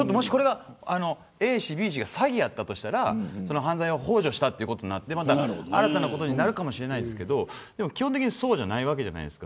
Ａ氏Ｂ氏が詐欺やったとしたら犯罪をほう助したということで新たなことになるかもしれないけどでも、基本的にそうじゃないじゃないですか